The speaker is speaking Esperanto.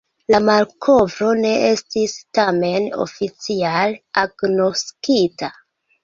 La malkovro ne estis tamen oficiale agnoskita.